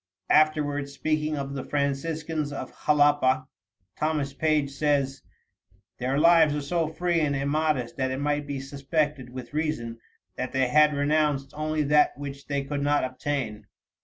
Afterward, speaking of the Franciscans of Jalapa, Thomas Page says: "Their lives are so free and immodest that it might be suspected with reason that they had renounced only that which they could not obtain."